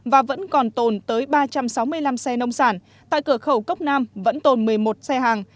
và vẫn còn tồn tới ba trăm sáu mươi năm xe nông sản tại cửa khẩu cốc nam vẫn tồn một mươi một xe hàng